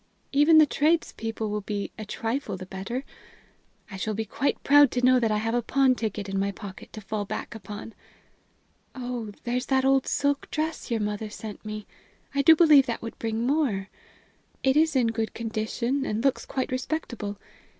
Even the tradespeople will be a trifle the better. I shall be quite proud to know that I have a pawn ticket in my pocket to fall back upon. Oh, there's that old silk dress your mother sent me I do believe that would bring more. It is in good condition, and looks quite respectable.